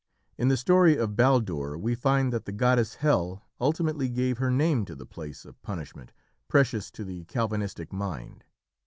In the story of Baldur we find that the goddess Hel ultimately gave her name to the place of punishment precious to the Calvinistic mind.